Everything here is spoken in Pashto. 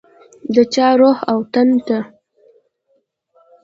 د چا روح او تن ته